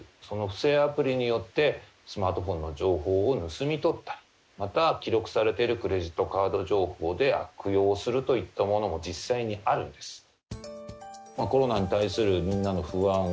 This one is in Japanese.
その不正アプリによってスマートフォンの情報を盗み取ったりまた、記録されているクレジットカード情報で悪用するというのも実際にあるんです。